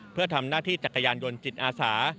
เพื่อทำหน้าที่จักรยานยนต์จิตอาสา